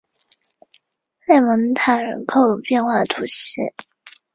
勒蒙塔人口变化图示